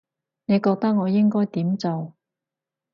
你覺得我應該點做